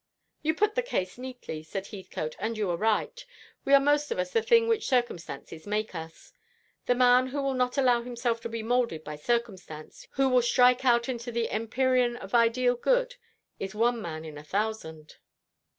"You put the case neatly," said Heathcote, "and you are right. We are most of us the thing which circumstances make us. The man who will not allow himself to be moulded by circumstance, who will strike out into the empyrean of ideal good, is one man in a thousand."